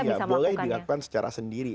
iya boleh dilakukan secara sendiri